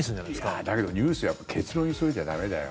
いや、だけどニュースやっぱり結論急いじゃ駄目だよ。